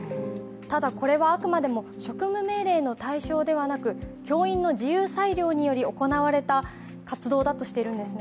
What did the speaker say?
ただ、これはあくまでも職務命令の対象ではなく、教員の自由裁量により行われた活動だとしているんですね。